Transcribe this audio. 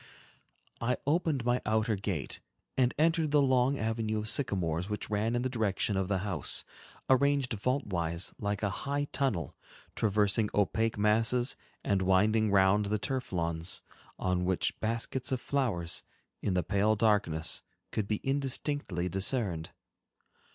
I opened my outer gate and entered the long avenue of sycamores which ran in the direction of the house, arranged vault wise like a high tunnel, traversing opaque masses, and winding round the turf lawns, on which baskets of flowers, in the pale darkness, could be indistinctly discerned.